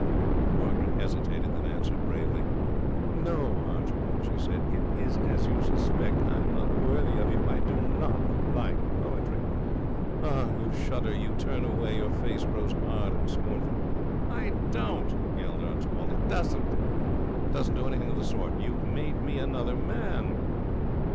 Margaret hesitated, then answered bravely: 'No, Archibald,' she said, 'it is as you suspect. I am not worthy of you. I do not like poetry. Ah, you shudder! You turn away! Your face grows hard and scornful!' 'I don't!' yelled Archibald. 'It doesn't! It doesn't do anything of the sort! You've made me another man!'